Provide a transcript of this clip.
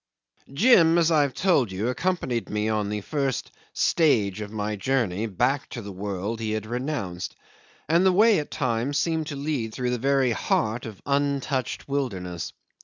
'Jim, as I've told you, accompanied me on the first stage of my journey back to the world he had renounced, and the way at times seemed to lead through the very heart of untouched wilderness.